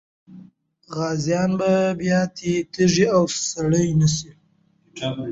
غازيان به بیا تږي او ستړي نه سي.